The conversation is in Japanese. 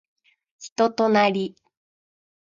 人となり